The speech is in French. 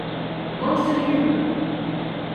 Mange tes légumes!